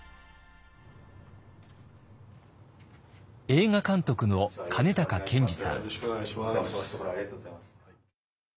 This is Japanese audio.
映画監督の金高謙二さん。